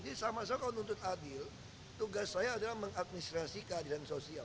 jadi sama sekali kalau nuntut adil tugas saya adalah mengadministrasi keadilan sosial